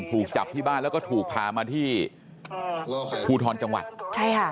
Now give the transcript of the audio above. ถูกจับที่บ้านแล้วก็ถูกพามาที่ภูทรจังหวัดใช่ค่ะ